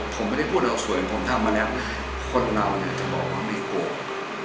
ผมไม่ได้พูดเอาสวยเหมือนผมทำมาแล้วคนเราเนี่ยจะบอกว่าไม่โกง